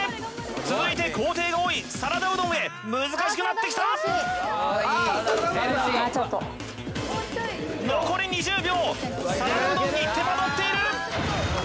続いて工程が多いサラダうどんへ難しくなってきた残り２０秒サラダうどんに手間取っている！